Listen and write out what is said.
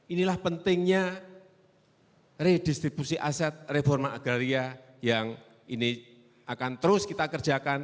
inilah pentingnya redistribusi aset reforma agraria yang ini akan terus kita kerjakan